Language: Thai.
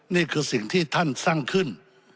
นี่คือสิ่งที่ท่านสร้างขึ้น